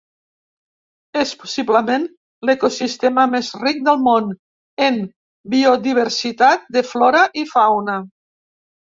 És possiblement l'ecosistema més ric del món en biodiversitat de flora i fauna.